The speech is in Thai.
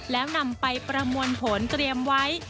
แล้วนำไปประมวลผลเตรียมไว้